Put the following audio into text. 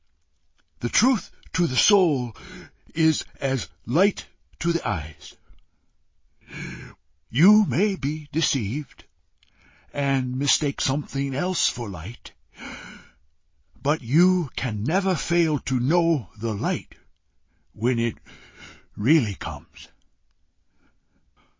The truth to the soul is as light to the eyes: you may be deceived, and mistake something else for light, but you can never fail to know the light when it really comes."